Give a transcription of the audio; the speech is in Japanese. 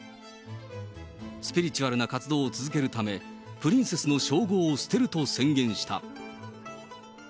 スピリチュアルな活動を続けるため、プリンセスの称号を捨てると宣言した。